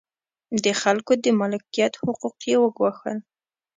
د خلکو د مالکیت حقوق یې وګواښل.